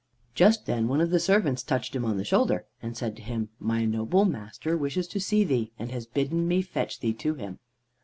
Just then one of the servants touched him on the shoulder, and said to him: "My noble master wishes to see thee, and has bidden me fetch thee to him."